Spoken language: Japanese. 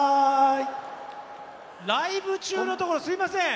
ライブ中のところすみません。